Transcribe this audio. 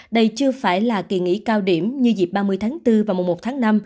đây chưa phải là kỳ nghỉ cao điểm như dịp ba mươi tháng bốn và mùa một tháng năm